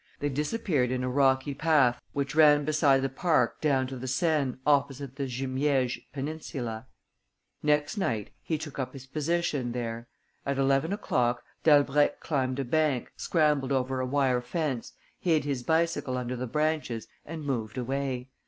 They disappeared in a rocky path which ran beside the park down to the Seine, opposite the Jumièges peninsula. Next night, he took up his position there. At eleven o'clock, Dalbrèque climbed a bank, scrambled over a wire fence, hid his bicycle under the branches and moved away.